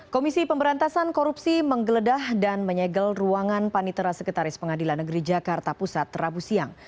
komisi pemberantasan korupsi menggeledah dan menyegel ruangan panitera sekretaris pengadilan negeri jakarta pusat rabu siang